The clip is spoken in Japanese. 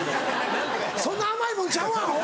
そんな甘いもんちゃうわアホ！